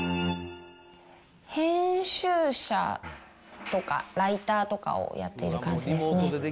編集者とか、ライターとかをやってる感じですね。